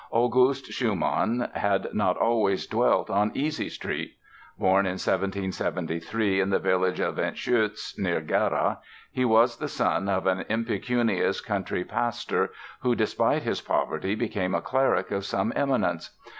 August Schumann had not always dwelt on easy street. Born in 1773 in the village of Entschütz, near Gera, he was the son of an impecunious country pastor who, despite his poverty, became a cleric of some eminence.